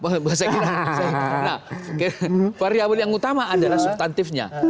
nah variabel yang utama adalah substantifnya